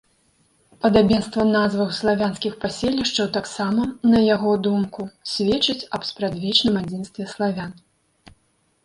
Падабенства назваў славянскіх паселішчаў таксама, на яго думку, сведчыць аб спрадвечным адзінстве славян.